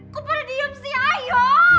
kok pada diem sih ayo